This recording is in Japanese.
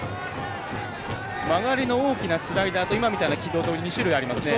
曲がりの大きなスライダーと今みたいな軌道と２種類ありますね。